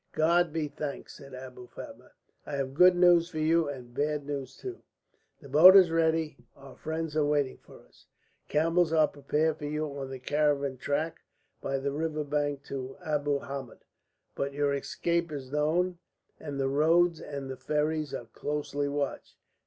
"God be thanked!" said Abou Fatma. "I have good news for you, and bad news too. The boat is ready, our friends are waiting for us, camels are prepared for you on the caravan track by the river bank to Abu Hamed. But your escape is known, and the roads and the ferries are closely watched.